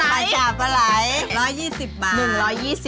ผัดชาพะไหล๑๒๐บาท